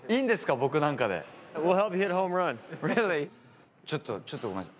僕なんちょっと、ちょっとごめんなさい。